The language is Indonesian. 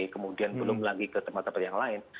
kemudian belum lagi ke tempat tempat yang lain